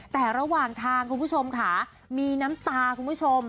แต่ระหว่างทางคุณผู้ชมค่ะมีน้ำตาคุณผู้ชม